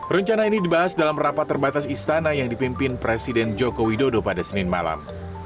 rencana ini dibahas dalam rapat terbatas istana yang dipimpin presiden joko widodo pada senin malam